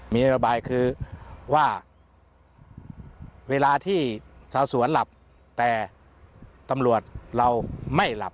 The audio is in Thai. มีนโยบายคือว่าเวลาที่ชาวสวนหลับแต่ตำรวจเราไม่หลับ